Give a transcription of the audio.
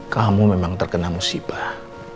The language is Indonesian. kamu memang terkena musibah